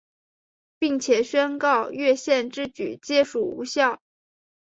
并且宣告越线之举皆属无效。